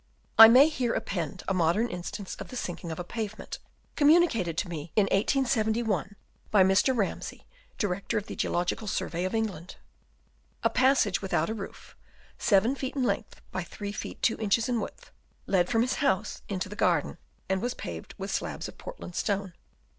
I may here append a modern instance of the sinking of a pavement, communicated to me in 1871 by Mr. Ramsay, Director of the Geological Survey of England. A passage without a roof, 7 feet in length by 3 feet 2 inches in width, led from his house into the garden, and was paved with slabs of Portland stone.